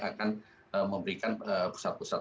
akan memberikan pusat pusat